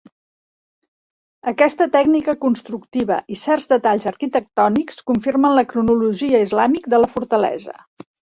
Aquesta tècnica constructiva i certs detalls arquitectònics confirmen la cronologia islàmica de la fortalesa.